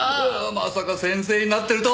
まさか先生になってるとは！